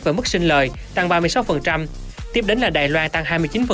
và mức sinh lời tăng ba mươi sáu tiếp đến là đài loan tăng hai mươi chín